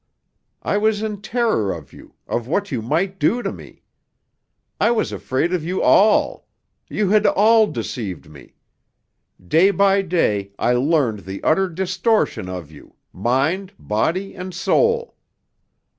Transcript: I was in terror of you, of what you might do to me. I was afraid of you all; you had all deceived me. Day by day I learned the utter distortion of you, mind, body, and soul.